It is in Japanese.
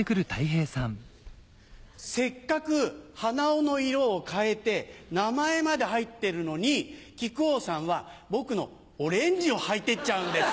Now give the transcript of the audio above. せっかく鼻緒の色を変えて名前まで入ってるのに木久扇さんは僕のオレンジを履いてっちゃうんです。